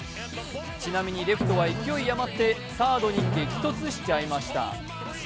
ちなみに、レフトは勢い余ってサードに激突しちゃいました。